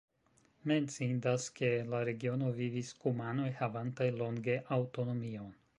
Menciindas, ke en la regiono vivis kumanoj havantaj longe aŭtonomion.